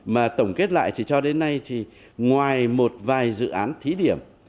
mà tổng kết lại thì cho đến nay thì ngoài một vài dự án thí điểm